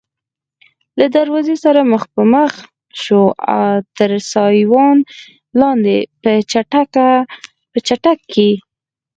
له دروازې سره مخ په مخ شوو، تر سایوان لاندې په چټک کې.